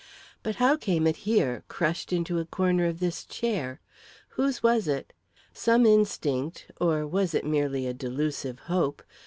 But how came it here, crushed into a corner of this chair? Whose was it? Some instinct or was it merely a delusive hope?